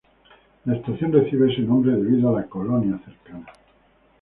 La estación recibe ese nombre debido a la colonia cercana.